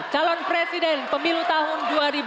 calon presiden pemilu tahun